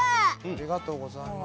ありがとうございます。